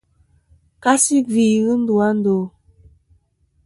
Kasi gvi ghɨ ndu a ndo.